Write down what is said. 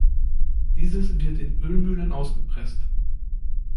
Dieses wird in Ölmühlen ausgepresst.